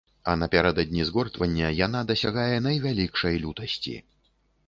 А напярэдадні згортвання яна дасягае найвялікшай лютасці.